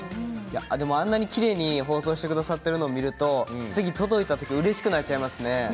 でもあんなにきれいに包装してくださっているのを見ると次届いた時うれしくなっちゃいますね。